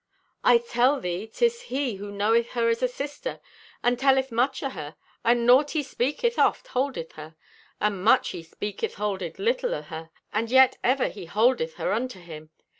I tell thee 'tis he who knoweth her as a sister, and telleth much o' her, and naught he speaketh oft holdeth her, and much he speaketh holdeth little o' her, and yet ever he holdeth her unto him.